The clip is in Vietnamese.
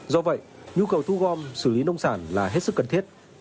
do vậy nhu cầu thu gom xử lý nông sản là hết sức cần thiết